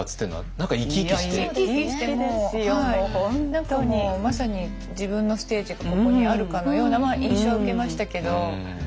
何かもうまさに自分のステージがここにあるかのような印象は受けましたけど。